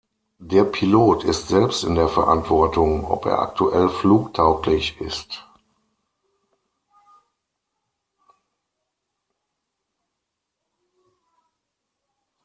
Der Pilot ist selbst in der Verantwortung, ob er aktuell flugtauglich ist.